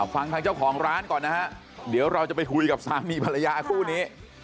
ฟังทางเจ้าของร้านก่อนนะฮะเดี๋ยวเราจะไปคุยกับสามีภรรยาคู่นี้